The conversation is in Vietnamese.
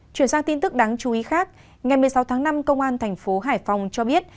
chuyển sang tin tức đáng chú ý khác ngày một mươi sáu tháng năm công an thành phố hải phòng cho biết